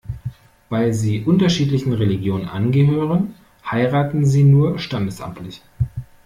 Weil sie unterschiedlichen Religionen angehören, heiraten sie nur standesamtlich.